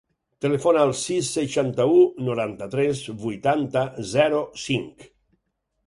Telefona al sis, seixanta-u, noranta-tres, vuitanta, zero, cinc.